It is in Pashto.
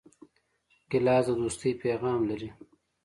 ګیلاس د دوستۍ پیغام لري.